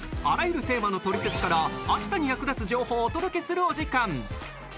あらゆるテーマのトリセツからあしたに役立つ情報をお届けするお時間。